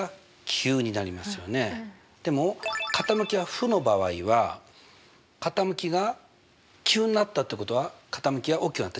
でも傾きが負の場合は傾きが急になったってことは傾きは大きくなった？